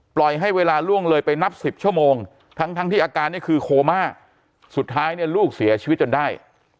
ปล่อยให้เวลาล่วงเลยไปนับ๑๐ชั่วโมงทั้งทั้งที่อาการนี่คือโคม่าสุดท้ายเนี่ยลูกเสียชีวิตจนได้